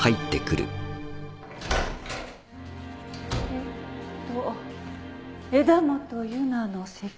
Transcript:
・えっと枝元佑奈の席は。